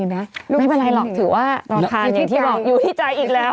ไม่เป็นไรหรอกถือว่าเราทานอยู่ที่ใจอีกแล้ว